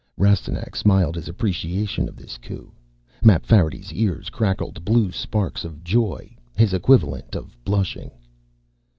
Rastignac smiled his appreciation of this coup. Mapfarity's ears crackled blue sparks of joy, his equivalent of blushing.